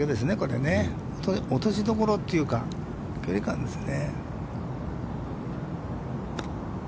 あと落としどころというか、距離感ですね。